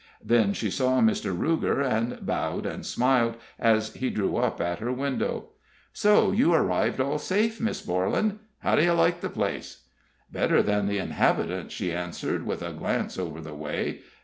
Then she saw Mr. Ruger, and bowed and smiled as he drew up at her window. "So you arrived all safe, Miss Borlan? How do you like the place?" "Better than the inhabitants," she answered, with a glance over the way.